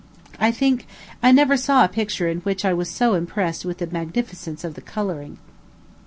I think I never saw a picture in which I was so impressed with the magnificence of the coloring.